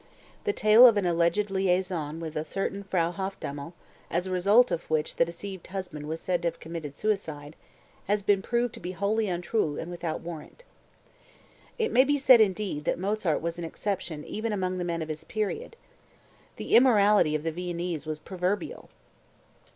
The tale of an alleged liaison with a certain Frau Hofdamel, as a result of which the deceived husband was said to have committed suicide, has been proved to be wholly untrue and without warrant. It may be said, indeed, that Mozart was an exception among the men of his period. The immorality of the Viennese was proverbial.